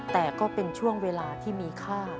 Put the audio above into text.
แต่ก็เป็นช่วงเวลาที่มีค่า